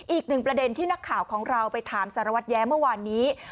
อีกหนึ่งประเด็นที่นักข่าวของเราไปถามสารวัตรแย้เมื่อวานนี้